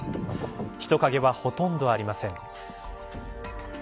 人影はほとんどありません。